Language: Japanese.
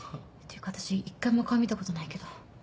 ていうか私１回も顔見たことないけど。